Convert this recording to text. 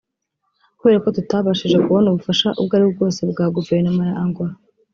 Kubera ko tutabashije kubona ubufasha ubwo aribwo bwose bwa guverinoma ya Angola